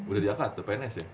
udah diangkat tuh pns ya